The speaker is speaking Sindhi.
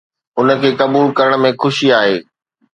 ان کي قبول ڪرڻ ۾ خوشي آهي.